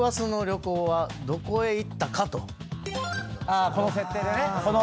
あこの設定でね。